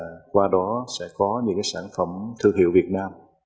và qua đó sẽ có những cái sản phẩm thương hiệu việt nam